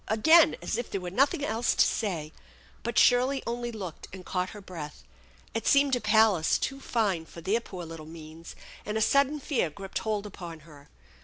again, as if there were nothing else to say. But THE ENCHANTED BARN 9* Shirley only looked and caught her breath. It seemed a palace too fine for their poor little means, and a sudden fear gripped hold upon her.